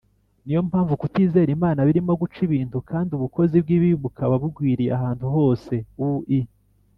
niyo mpamvu kutizera imana birimo guca ibintu kandi ubukozi bw’ibibi bukaba bugwiriye ahantu hose ui